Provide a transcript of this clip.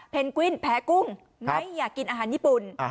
กวินแพ้กุ้งไม่อยากกินอาหารญี่ปุ่น